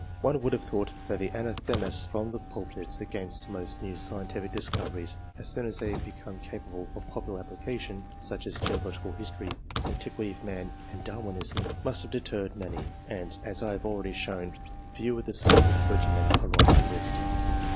One would have thought that the anathemas from the pulpits against most new scientific dis coveries, as soon as they became capable of popular application, such as geological history, antiquity of man, and Darwinism, must have deterred many; and, as I have already shown, few of the sons of clergymen are on my list.